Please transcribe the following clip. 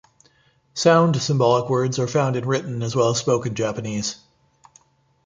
Sound symbolic words are found in written as well as spoken Japanese.